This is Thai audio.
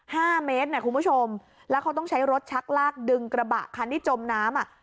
ห้าเมตรน่ะคุณผู้ชมแล้วเขาต้องใช้รถชักลากดึงกระบะคันที่จมน้ำอ่ะ